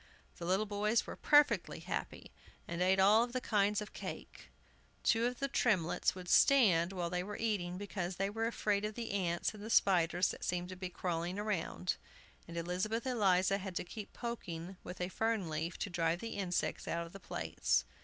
The little boys were perfectly happy, and ate of all the kinds of cake. Two of the Tremletts would stand while they were eating, because they were afraid of the ants and the spiders that seemed to be crawling round. And Elizabeth Eliza had to keep poking with a fern leaf to drive the insects out of the plates.